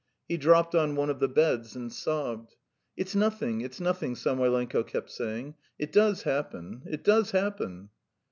He dropped on one of the beds and sobbed. "It's nothing, it's nothing," Samoylenko kept saying; "it does happen ... it does happen.